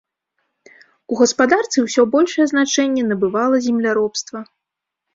У гаспадарцы ўсё большае значэнне набывала земляробства.